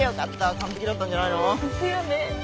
完璧だったんじゃないの？ですよね。